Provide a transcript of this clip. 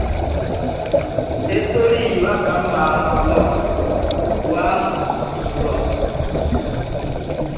E toli waka mma lɔ guaʼn su lɔ.